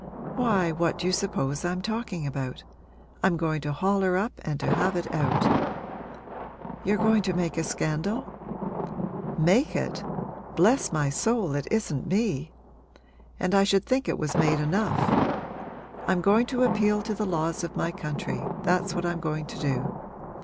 'Why, what do you suppose I'm talking about? I'm going to haul her up and to have it out.' 'You're going to make a scandal?' 'Make it? Bless my soul, it isn't me! And I should think it was made enough. I'm going to appeal to the laws of my country that's what I'm going to do.